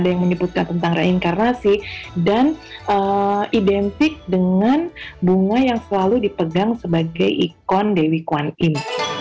ada yang menyebutkan tentang reinkarnasi dan identik dengan bunga yang selalu dipegang sebagai ikon dewi kue in